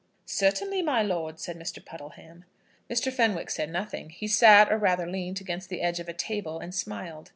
"Certainly, my lord," said Mr. Puddleham. Mr. Fenwick said nothing. He sat, or rather leant, against the edge of a table, and smiled.